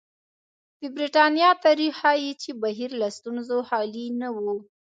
د برېټانیا تاریخ ښيي چې بهیر له ستونزو خالي نه و.